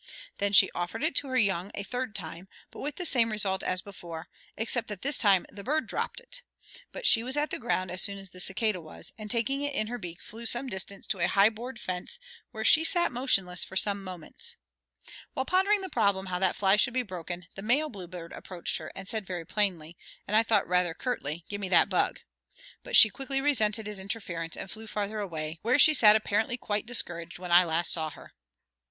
Then she offered it to her young a third time, but with the same result as before, except that this time the bird dropped it; but she was at the ground as soon as the cicada was, and taking it in her beak flew some distance to a high board fence where she sat motionless for some moments. While pondering the problem how that fly should be broken, the male bluebird approached her, and said very plainly, and I thought rather curtly, "Give me that bug," but she quickly resented his interference and flew farther away, where she sat apparently quite discouraged when I last saw her.